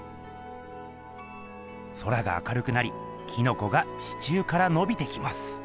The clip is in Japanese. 空が明るくなりキノコが地中からのびてきます。